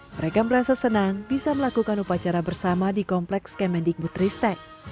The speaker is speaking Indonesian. mereka merasa senang bisa melakukan upacara bersama di kompleks kemendikbutristek